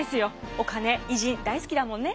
お金偉人大好きだもんね。